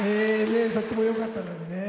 とってもよかったですね。